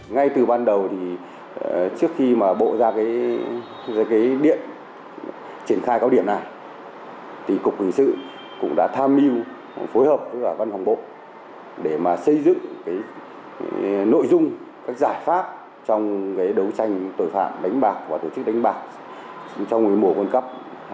ngay từ ban đầu thì trước khi mà bộ ra cái điện triển khai cao điểm này thì cục quỳnh sự cũng đã tham mưu phối hợp với văn phòng bộ để mà xây dựng cái nội dung các giải pháp trong cái đấu tranh tội phạm đánh bạc và tổ chức đánh bạc trong mùa quân cấp hai nghìn hai mươi hai